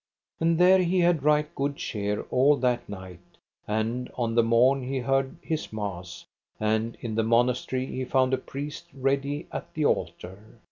And there he had right good cheer all that night; and on the morn he heard his mass, and in the monastery he found a priest ready at the altar.